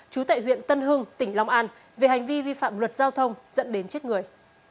chú tệ huyện tân hưng tỉnh long an về hành vi vi phạm luật giao thông dẫn đến chết người